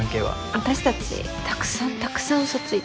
私たちたくさんたくさんうそついて。